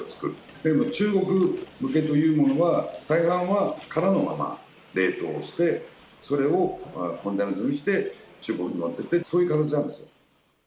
でも中国向けというものは、大半は殻のまま冷凍して、それをコンテナ積みして、中国に持っていって、そういう形なんですよ。